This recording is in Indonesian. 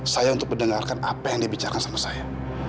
saya untuk mendengarkan apa yang dia bicara sama saya